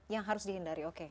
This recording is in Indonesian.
yang harus dihindari oke